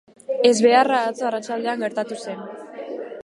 Ezbeharra atzo arratsaldean gertatu zen.